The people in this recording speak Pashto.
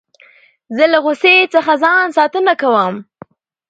زه له غوسې څخه ځان ساتنه کوم.